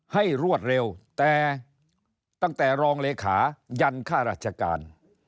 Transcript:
รวดเร็วแต่ตั้งแต่รองเลขขายันค่าราชการ